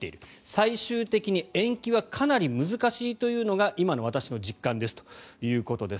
最終的に延期はかなり難しいというのが今の私の実感ですということです。